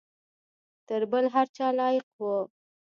تر بل هر چا لایق وو.